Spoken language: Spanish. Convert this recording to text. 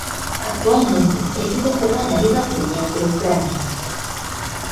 Actualmente el equipo juega en la Liga Premier de Ucrania.